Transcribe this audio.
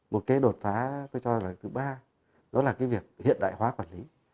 một cái đột phá tôi cho là thứ ba đó là cái việc hiện đại hóa quản lý